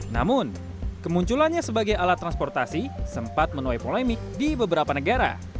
namun kemunculannya sebagai alat transportasi sempat menuai polemik di beberapa negara